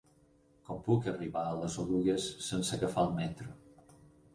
Com puc arribar a les Oluges sense agafar el metro?